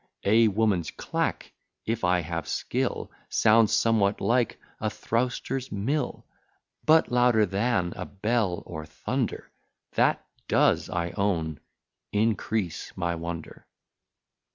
A woman's clack, if I have skill, Sounds somewhat like a throwster's mill; But louder than a bell, or thunder: That does, I own, increase my wonder.